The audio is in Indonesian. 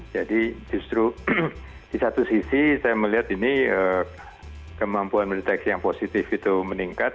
jadi justru di satu sisi saya melihat ini kemampuan mendeteksi yang positif itu meningkat